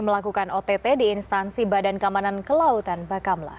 melakukan ott di instansi badan kemanan kelautan bakamla